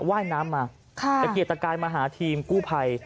ว่ายน้ำมาตะเกียกตะกายมาหาทีมกู้ภัย